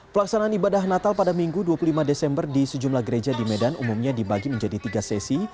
pelaksanaan ibadah natal pada minggu dua puluh lima desember di sejumlah gereja di medan umumnya dibagi menjadi tiga sesi